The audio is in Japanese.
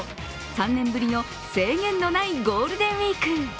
３ねんぶりの制限のないゴールデンウイーク。